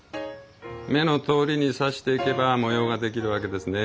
目のとおりに刺していけば模様が出来るわけですね。